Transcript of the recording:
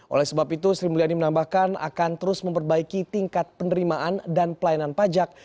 oleh sebab itu sri mulyani menambahkan akan terus memperbaiki tingkat penerimaan dan pelayanan pajak